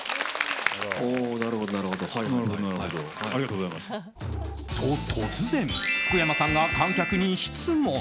と、突然福山さんが観客に質問。